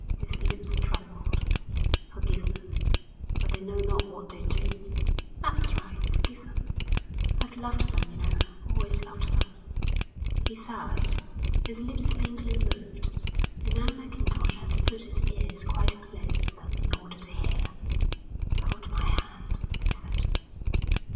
His lips trembled. "Forgive them, for they know not what they do?" "That's right. Forgive them. I've loved them, you know, always loved them." He sighed. His lips faintly moved, and now Mackintosh had to put his ears quite close to them in order to hear. "Hold my hand," he said.